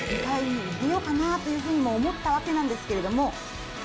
２階に逃げようかなという風にも思ったわけなんですけれども。